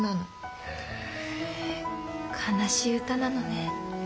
悲しい歌なのね。